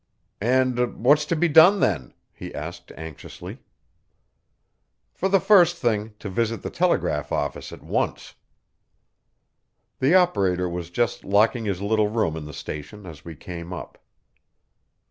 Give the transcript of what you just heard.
"And what's to be done, then?" he asked anxiously. "For the first thing, to visit the telegraph office at once." The operator was just locking his little room in the station as we came up.